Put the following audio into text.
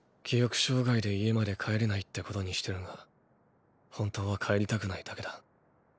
記憶障害で家まで帰れないってことにしてるが本当は帰りたくないだけだ。